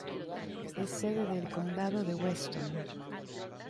Es sede del condado de Weston.